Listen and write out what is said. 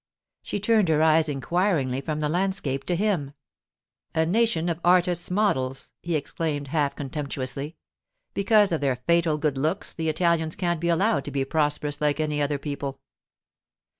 She turned her eyes inquiringly from the landscape to him. 'A nation of artists' models!' he exclaimed half contemptuously. 'Because of their fatal good looks, the Italians can't be allowed to be prosperous like any other people.